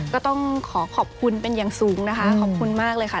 ก็ต้องขอขอบคุณเป็นอย่างสูงนะคะขอบคุณมากเลยค่ะ